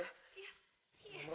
tante kamu tenang aja ya